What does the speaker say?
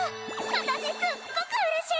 私すっごくうれしい！